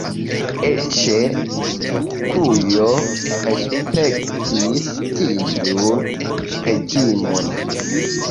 Eĉ Turkujo respektis tiun reĝimon.